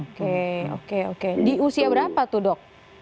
oke oke oke di usia berapa tuh dok